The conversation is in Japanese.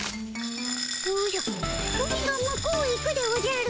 おじゃプリンが向こうへ行くでおじゃる。